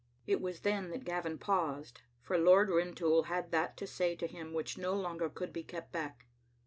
It was then that Gavin paused, for Lord Rintoul had that to say to him which no longer could be kept back.